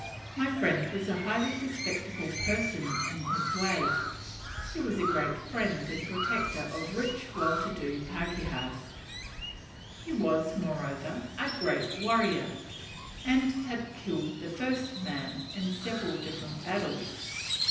My friend was a highly respectable person in his way; he was a great friend and protector of rich, well to do pakehas; he was, moreover, a great warrior, and had killed the first man in several different battles.